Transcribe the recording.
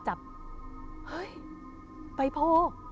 หุยใบโพ